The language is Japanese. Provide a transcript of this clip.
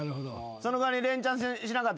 その代わり。